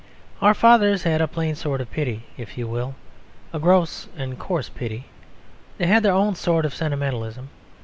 Our fathers had a plain sort of pity; if you will, a gross and coarse pity. They had their own sort of sentimentalism.